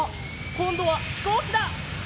こんどはひこうきだ！